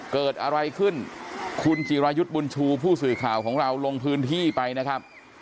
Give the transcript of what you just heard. เกิดอะไรขึ้นคุณจิรายุทธ์บุญชูผู้สื่อข่าวของเราลงพื้นที่ไปนะครับ